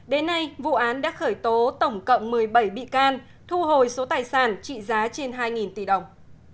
đến nay vụ án đã khởi tố tổng cộng một mươi bảy bị can thu hồi số tài sản trị giá trên hai tỷ đồng